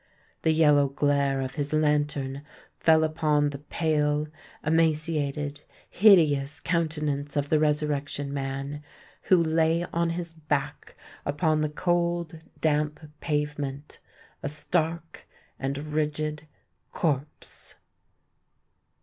The yellow glare of his lantern fell upon the pale, emaciated, hideous countenance of the Resurrection Man, who lay on his back upon the cold, damp pavement—a stark and rigid corse!